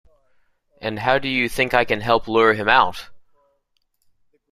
And how do you think I can help lure him out?